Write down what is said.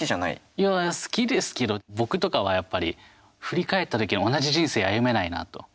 いや、好きですけど僕とかはやっぱり振り返ったとき同じ人生歩めないなと。